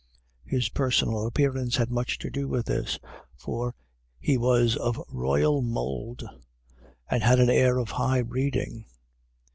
His personal appearance had much to do with this, for he was of royal mould, and had an air of high breeding.